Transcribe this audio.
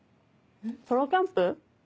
ソロキャンプ？